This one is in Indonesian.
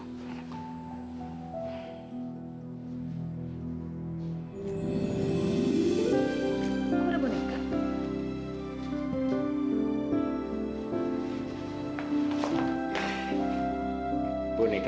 kamu ada boneka